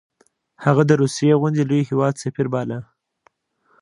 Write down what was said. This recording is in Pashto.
هغه د روسیې غوندې لوی هیواد سفیر باله.